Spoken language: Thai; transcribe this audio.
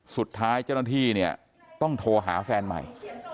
สุดท้ายเจ้าหน้าที่เนี่ยต้องโทรหาแฟนใหม่